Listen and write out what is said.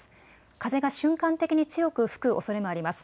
風が瞬間的に強く吹くおそれもあります。